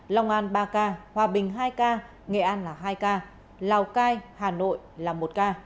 lòng an ba ca hòa bình hai ca nghệ an hai ca lào cai hà nội một ca